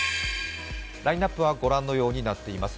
ラインナップは御覧のようになっています。